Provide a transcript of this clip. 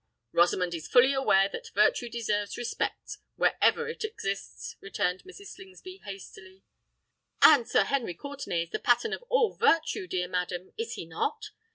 "Rosamond is fully aware that virtue deserves respect, wherever it exists," returned Mrs. Slingsby hastily. "And Sir Henry Courtenay is the pattern of all virtue, dear madam—is he not?"